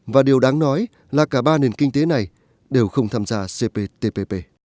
và điều đáng nói là cả ba nền kinh tế này đều không tham gia cptpp